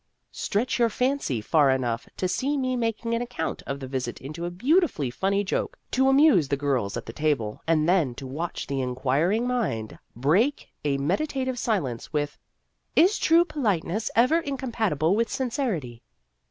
Stretch your fancy far enough to see me making an account of the visit into a beautifully funny joke to amuse the girls at the table, and then to watch the Inquiring Mind break a meditative silence with " Is true politeness ever in compatible with sincerity